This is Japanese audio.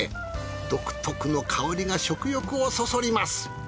独特の香りが食欲をそそります。